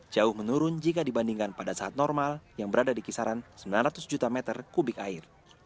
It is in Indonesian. jauh menurun jika dibandingkan pada saat normal yang berada di kisaran sembilan ratus juta meter kubik air